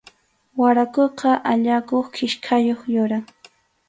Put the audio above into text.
Waraquqa allakuq kichkayuq yuram.